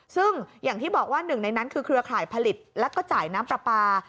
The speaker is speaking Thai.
ซึ่งอย่างที่บอกว่าหนึ่งในนั้นคือเครือข่ายผลิตแล้วก็จ่ายน้ำปลาปลา